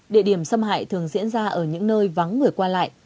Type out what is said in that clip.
địa điểm xâm hại thường diễn ra ở những nơi vắng người qua lại